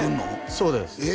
そうですええ